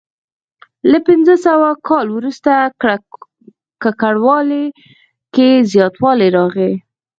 له پنځه سوه کال وروسته ککړوالي کې زیاتوالی راغلی.